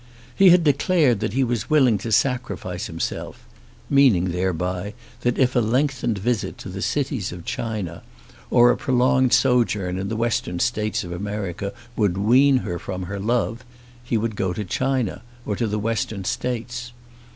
He had declared that he was willing to sacrifice himself, meaning thereby that if a lengthened visit to the cities of China, or a prolonged sojourn in the Western States of America would wean her from her love, he would go to China or to the Western States.